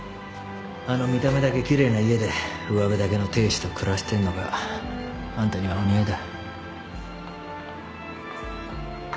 あの見た目だけ奇麗な家でうわべだけの亭主と暮らしてんのがあんたにはお似合いだ。